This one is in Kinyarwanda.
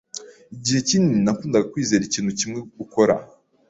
Igihe kinini, nakundaga kwizera ikintu kimwe ukora.